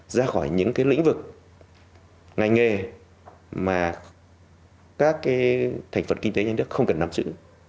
ra khỏi những cái lĩnh vực ngành nghề mà các cái thành phần kinh tế nhà nước không cần nắm giữ